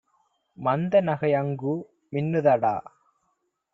மந்த நகையங்கு மின்னுதடா!